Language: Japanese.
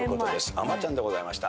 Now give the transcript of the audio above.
『あまちゃん』でございました。